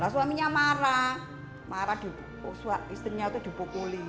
suaminya marah marah istrinya itu dipukuli